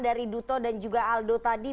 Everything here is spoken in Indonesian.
dari duto dan juga aldo tadi